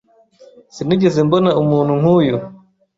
Sinigeze mbona umuntu nkuyu.